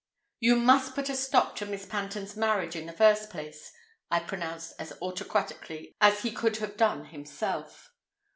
"You must put a stop to Miss Panton's marriage in the first place," I pronounced as autocratically as he could have done himself.